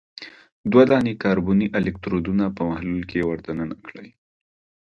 دوه دانې کاربني الکترودونه په محلول کې ور د ننه کړئ.